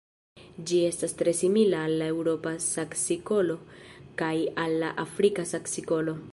Ĝi estas tre simila al la Eŭropa saksikolo kaj al la Afrika saksikolo.